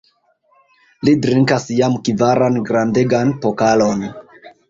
Li drinkas jam kvaran grandegan pokalon!